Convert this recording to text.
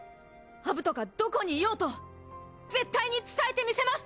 アブトがどこにいようと絶対に伝えてみせます！